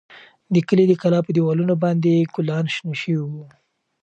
د کلي د کلا په دېوالونو باندې ګلان شنه شوي وو.